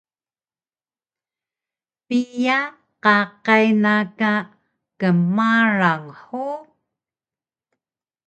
Piya qaqay na ka kmarang hug?